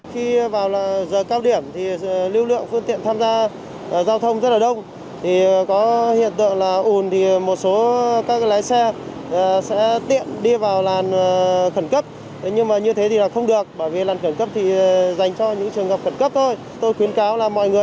khi vào là giờ cao điểm thì lưu lượng phương tiện tham gia giao thông